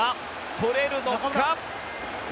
とれるのか？